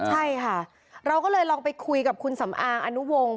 ใช่ค่ะเราก็เลยลองไปคุยกับคุณสำอางอนุวงศ์